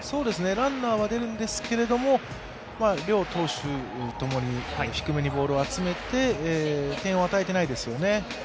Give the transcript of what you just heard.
ランナーは出るんですけれども、両投手ともに低めにボールを集めて点を与えていないですよね。